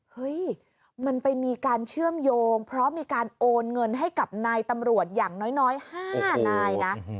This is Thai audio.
เฮ้ยมันไปมีการเชื่อมโยงเพราะมีการโอนเงินให้กับนายตำรวจอย่างน้อย๕นายนะ